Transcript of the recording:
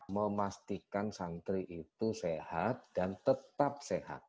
memastikan santri itu sehat dan tetap sehat